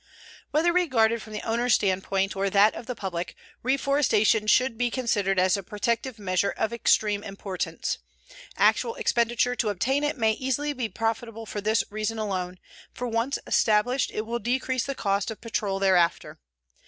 Whether regarded from the owner's standpoint or that of the public, reforestation should be considered as a protective measure of extreme importance. Actual expenditure to obtain it may easily be profitable for this reason alone, for once established it will decrease the cost of patrol thereafter.